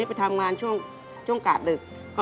ไปทำงานช่วงกาดดึก